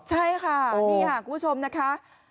ใช่ค่ะนี่ค่ะคุณผู้ชมนะคะ